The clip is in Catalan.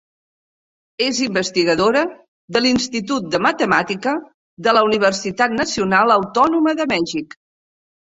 És investigadora de l'Institut de Matemàtica de la Universitat Nacional Autònoma de Mèxic.